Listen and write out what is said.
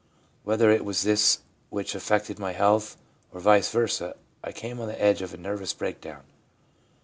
Whether it was this which affected my health, or vice versa, I came on the edge of a nervous breakdown.'